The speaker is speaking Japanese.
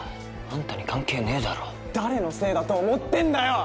あんたに関係ねえだろ誰のせいだと思ってんだよ！